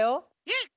えっ！？